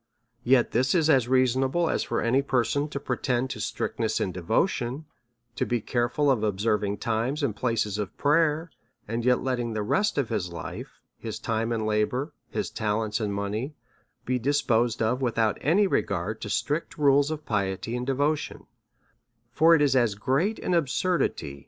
Yet this is as reasonable as for any person to pre tend to strictness in devotion, to be careful of observ ' ing times and places of prayer, and yet letting the rest of his life, his time, and labour, his talents and money, be disposed of, without any regard to strict rules of piety and devotion ; for it is as great an absurdity to DEVOUT AND HOLY LIFE.